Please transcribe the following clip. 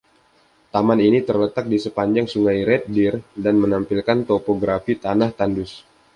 Taman ini terletak di sepanjang Sungai Red Deer dan menampilkan topografi tanah tandus.